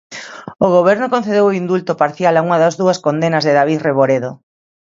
O Goberno concedeu o indulto parcial a unha das dúas condenas de David Reboredo.